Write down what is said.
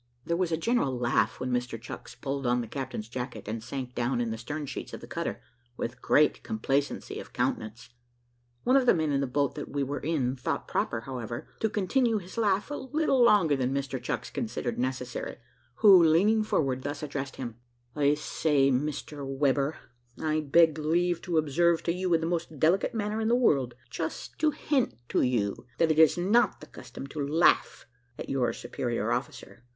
There was a general laugh when Mr Chucks pulled on the captain's jacket, and sank down in the stern sheets of the cutter, with great complacency of countenance. One of the men in the boat that we were in thought proper, however, to continue his laugh a little longer than Mr Chucks considered necessary, who, leaning forward, thus addressed him: "I say, Mr Webber, I beg leave to observe to you, in the most delicate manner in the world just to hint to you that it is not the custom to laugh at your superior officer.